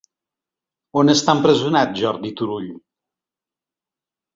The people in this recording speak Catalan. On està empresonat Jordi Turull?